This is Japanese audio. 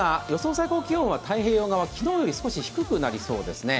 最高気温は太平洋側、昨日より少し低くなりそうですね。